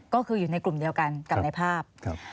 ก็คืออยู่ในกลุ่มเดียวกันกับในภาพ